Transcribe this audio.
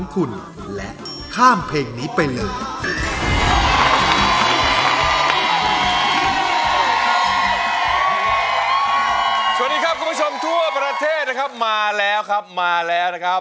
โดยผู้เข้าแข่งขันมีสิทธิ์ใช้ตัวช่วย๓ใน๖แผ่นป้ายตลอดการแข่งขัน